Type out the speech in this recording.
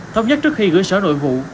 thông nhất trước khi gửi sở nội vụ